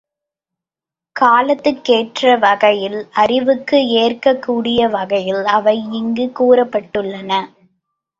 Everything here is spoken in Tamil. காலத்துக்கேற்ற வகையில் அறிவுக்கு ஏற்கக் கூடிய வகையில் அவை இங்குக் கூறப்பட்டுள்ளன.